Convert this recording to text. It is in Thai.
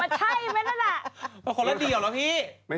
เหมือนคนละเดี๋ยวหรอพี่